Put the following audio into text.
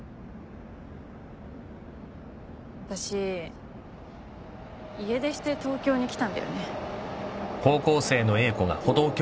私家出して東京に来たんだよね。